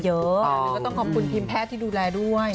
อ๋อก็ต้องขอบคุณพิมพ์แพทย์ที่ดูแลด้วย